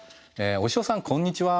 おしおさんこんにちは。